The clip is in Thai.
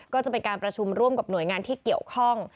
ก็จะเป็นการประชุมร่วมกับหน่วยงานที่เกี่ยวข้อง